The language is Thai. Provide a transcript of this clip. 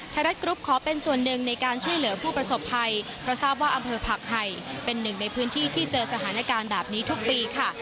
ไทยรัฐกรุ๊ปขอเป็นส่วนหนึ่งในการช่วยเหลือผู้ประสบภัยเพราะทราบว่าอำเภอผักไห่เป็นหนึ่งในพื้นที่ที่เจอสถานการณ์แบบนี้ทุกปีค่ะ